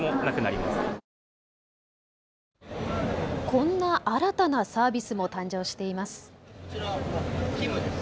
こんな新たなサービスも誕生しています。